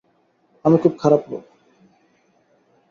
আমি খুব খারাপ লোক।